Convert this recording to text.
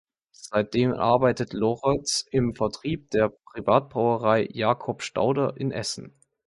Seitdem arbeitet Lorenz im Vertrieb der Privatbrauerei Jacob Stauder in Essen.